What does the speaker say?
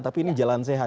tapi ini jalan sehat